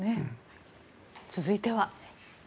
続いては。